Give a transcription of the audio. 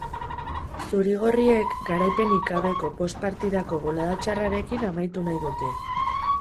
Zuri-gorriek garaipenik gabeko bost partidako bolada txarrarekin amaitu nahi dute.